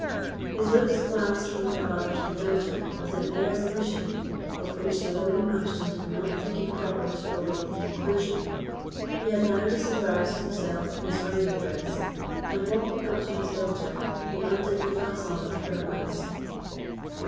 His looks glanced from the father to the daughter with an irresolution of which Sir William Ashton did not think it proper to await the conclusion. He had now disembarrassed himself of his riding dress, and walking up to his daughter, he undid the fastening of her mask.